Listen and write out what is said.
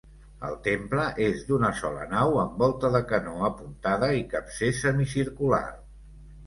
El temple és d'una sola nau amb volta de canó apuntada i capcer semicircular.